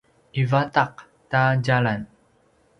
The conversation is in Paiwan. ivadaq ta djalan